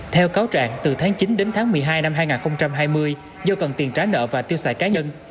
theo cáo trạng từ tháng chín đến tháng một mươi hai năm hai nghìn hai mươi do cần tiền trả nợ và tiêu xài cá nhân